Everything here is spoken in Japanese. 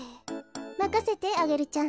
まかせてアゲルちゃん。